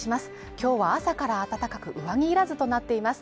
今日は朝から暖かく上着いらずとなっています。